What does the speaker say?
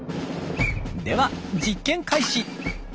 では実験開始。